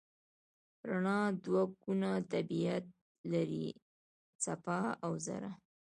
رڼا دوه ګونه طبیعت لري: څپه او ذره.